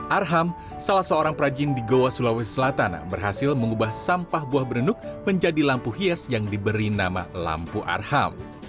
arham salah seorang perajin di goa sulawesi selatan berhasil mengubah sampah buah berenuk menjadi lampu hias yang diberi nama lampu arham